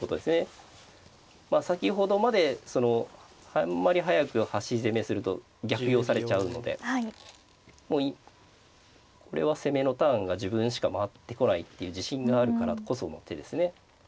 先ほどまであんまり早く端攻めすると逆用されちゃうのでもうこれは攻めのターンが自分しか回ってこないっていう自信があるからこその手ですね。